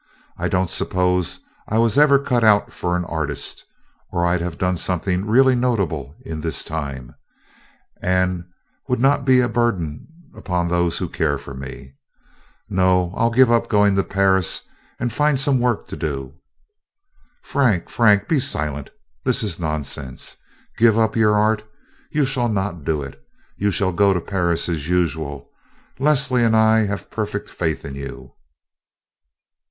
I don't suppose I was ever cut out for an artist, or I 'd have done something really notable in this time, and would not be a burden upon those who care for me. No, I 'll give up going to Paris and find some work to do." "Frank, Frank, be silent. This is nonsense, Give up your art? You shall not do it. You shall go to Paris as usual. Leslie and I have perfect faith in you.